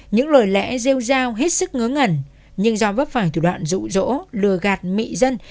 những lời lẽ rêu giao hết sức ngớ ngẩn nhưng do vấp phải thủ đoạn rụ rỗ lừa gạt mị dân